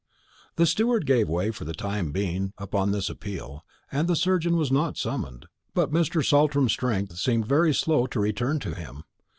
The steward gave way, for the time being, upon this appeal, and the surgeon was not summoned; but Mr. Saltram's strength seemed very slow to return to him.